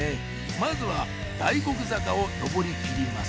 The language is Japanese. まずは大黒坂を上り切ります